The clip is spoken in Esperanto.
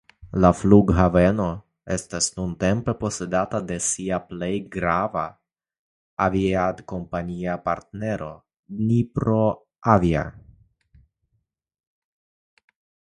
La flughaveno estas nuntempe posedata de sia plej grava aviadkompania partnero Dniproavia.